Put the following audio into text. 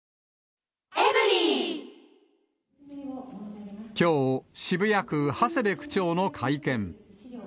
わぁきょう、渋谷区長谷部区長の会見。